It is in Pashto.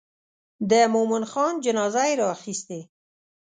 د مومن جان جنازه یې راخیستې.